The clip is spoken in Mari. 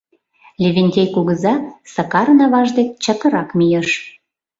— Левентей кугыза Сакарын аваж дек чакырак мийыш.